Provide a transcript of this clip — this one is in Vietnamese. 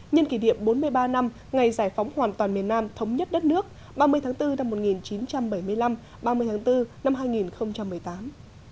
nhân kỷ niệm bốn mươi ba năm ngày giải phóng hoàn toàn miền nam thống nhất đất nước ba mươi tháng bốn năm một nghìn chín trăm bảy mươi năm ba mươi tháng bốn năm hai nghìn một mươi tám